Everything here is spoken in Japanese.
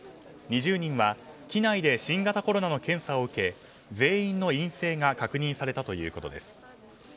２０人は機内で新型コロナの検査を受け全員の陰性が確認されたということです。